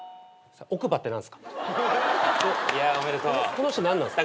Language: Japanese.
この人何なんすか？